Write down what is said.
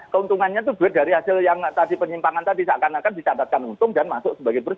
keuntungannya itu berdasarkan hasil penyimpangan tadi seakan akan dicatatkan untung dan masuk sebagai bersih